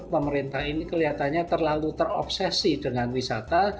pemerintah ini kelihatannya terlalu terobsesi dengan wisata